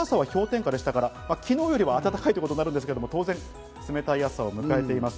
昨日の朝は氷点下でしたから、昨日よりは暖かいということになるんですが、当然、冷たい朝を迎えています。